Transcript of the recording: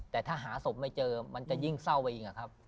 แต่ถ้าหาศพไม่เจอมันจะยิ่งเศร้าไปอีกครับ